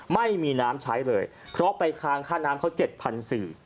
ไม่มีน้ำใช้เลยเพราะไปค้างค่าน้ำเขา๗๔๐๐บาท